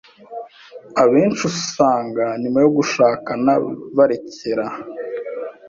Abenshi usanga nyuma yo gushakana barekera